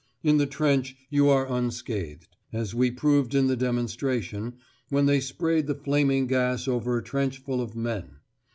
In the trench you are unscathed, as we proved in the demonstration, when they sprayed the flaming gas over a trench full of men.